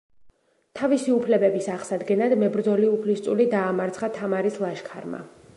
თავისი უფლებების აღსადგენად მებრძოლი უფლისწული დაამარცხა თამარის ლაშქარმა.